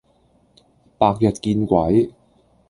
白日見鬼